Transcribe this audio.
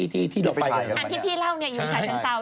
ตามที่พี่เล่านี่อยู่ชาเชิงเซาใช่ไหม